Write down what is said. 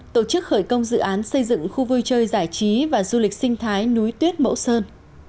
tổ chức khởi công dự án xây dựng khu vui chơi giải trí và du lịch sinh thái núi tuyết mẫu sơn